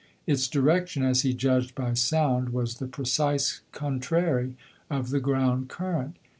Its direction, as he judged by sound, was the precise contrary of the ground current.